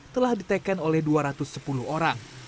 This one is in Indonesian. telah ditekan oleh dua ratus sepuluh orang